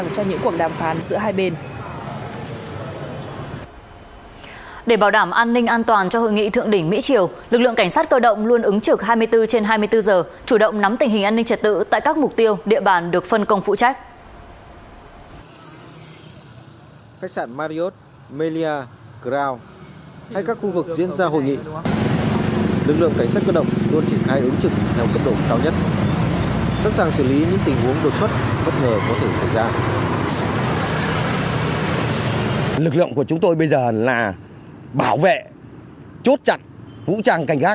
cảnh sát cơ động luôn ứng trực hai mươi bốn trên hai mươi bốn giờ chủ động nắm tình hình an ninh trật tự tại các mục tiêu địa bàn được phân công phụ trách